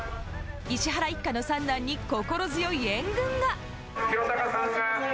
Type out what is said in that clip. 石原一家の三男に心強い援軍が。